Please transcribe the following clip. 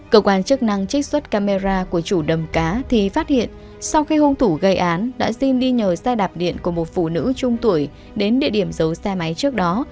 cơ quan chức năng trích xuất camera của chủ đầm cá thì phát hiện sau khi hung thủ gây án đã xin đi nhờ xe đạp điện của một phụ nữ trung tuổi đến địa điểm giấu xe máy trước đó